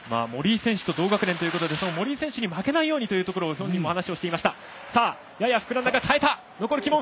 森井選手と同学年ということで森井選手に負けないようにと本人が話をしていました。